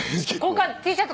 Ｔシャツ